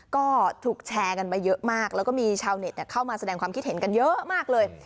ก็ถูกแชร์กันไปเยอะมากแล้วก็มีชาวเน็ตเข้ามาแสดงความคิดเห็นกันเยอะมากเลย